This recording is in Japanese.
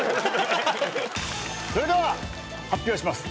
それでは発表します。